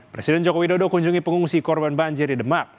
presiden joko widodo kunjungi pengungsi korban banjir di demak